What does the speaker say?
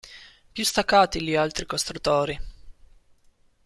Più staccati gli altri costruttori.